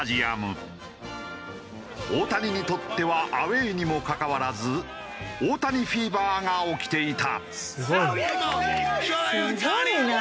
大谷にとってはアウェーにもかかわらず大谷フィーバーが起きていた。